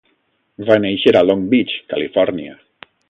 Va néixer a Long Beach, Califòrnia.